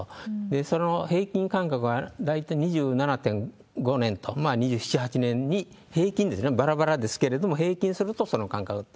その平均間隔が大体２７．５年と、２７、８年に、平均ですね、ばらばらですけれども、平均するとその間隔と。